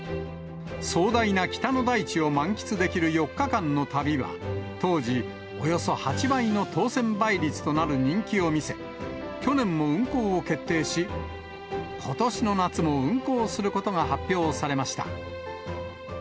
壮大な北の大地を満喫できる４日間の旅は、当時、およそ８倍の当せん倍率となる人気を見せ、去年も運行を決定し、ことしの夏も運行することが発表されました。